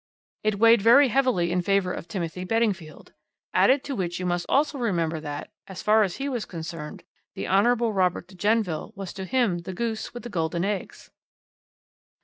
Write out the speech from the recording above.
"It weighed very heavily in favour of Timothy Beddingfield. Added to which you must also remember that, as far as he was concerned, the Hon. Robert de Genneville was to him the goose with the golden eggs.